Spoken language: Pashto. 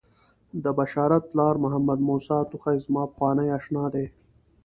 د بشارت پلار محمدموسی توخی زما پخوانی آشنا دی.